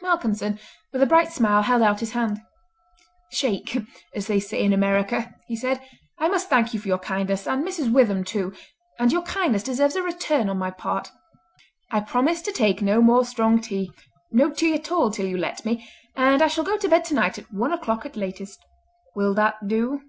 Malcolmson with a bright smile held out his hand. "Shake! as they say in America," he said. "I must thank you for your kindness and Mrs. Witham too, and your kindness deserves a return on my part. I promise to take no more strong tea—no tea at all till you let me—and I shall go to bed tonight at one o'clock at latest. Will that do?"